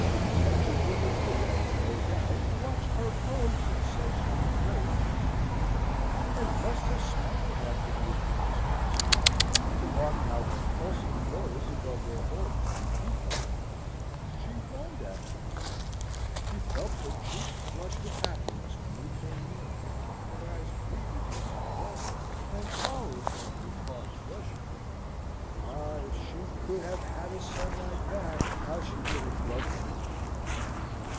Such a woman would, no doubt, watch her own sensations very keenly, and must have smiled after the appearance of this boy, to mark how her pulses rose above their ordinary beat. She longed after him. She felt her cheeks flush with happiness when he came near. Her eyes greeted him with welcome, and followed him with fond pleasure. "Ah, if she could have had a son like that, how she would have loved him!"